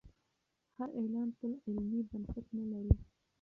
هر اعلان تل علمي بنسټ نه لري.